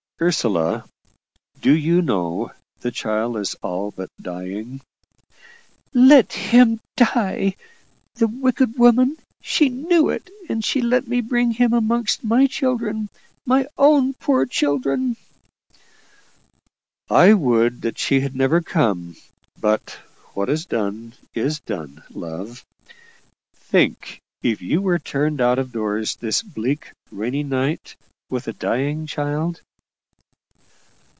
"Ursula, do you know the child is all but dying?" "Let him die! The wicked woman! She knew it, and she let me bring him among my children my own poor children!" "I would she had never come. But what is done, is done. Love, think if YOU were turned out of doors this bleak, rainy night with a dying child."